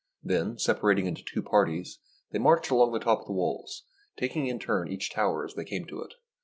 Then, sepa rating into two parties, they marched along the top of the walls, taking in turn each tower as they came to it.